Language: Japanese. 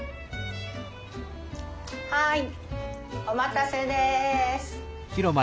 はいお待たせです！